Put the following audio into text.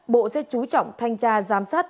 bộ sẽ chú trọng thanh tra giám sát